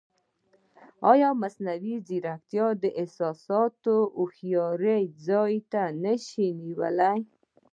ایا مصنوعي ځیرکتیا د احساساتي هوښیارۍ ځای نه شي نیولی؟